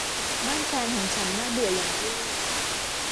บ้านแฟนของฉันน่าเบื่ออย่างยิ่ง